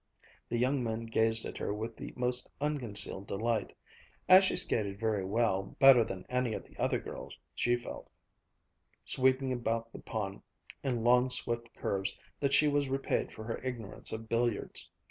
The young men gazed at her with the most unconcealed delight. As she skated very well, better than any of the other girls, she felt, sweeping about the pond in long, swift curves, that she was repaid for her ignorance of billiards.